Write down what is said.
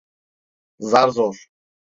Zar zor.